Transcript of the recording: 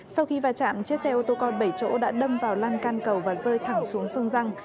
sau khi va chạm chiếc xe ô tô con bảy chỗ đã đâm vào lan can cầu và rơi thẳng xuống sông răng